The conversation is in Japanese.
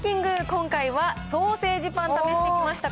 今回はソーセージパン、試してきました。